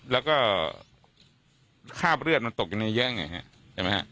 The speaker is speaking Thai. แล้วก็คาบเลือดมันตกอยู่ในเยอะไงฮะ